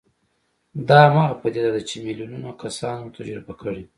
دا هماغه پدیده ده چې میلیونونه کسانو تجربه کړې